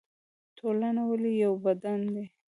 ټولنه ولې یو بدن دی؟